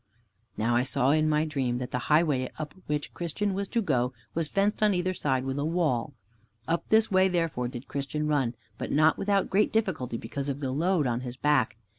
Now I saw in my dream that the highway up which Christian was to go was fenced on either side with a wall. Up this way therefore, did Christian run, but not without great difficulty, because of the load on his back.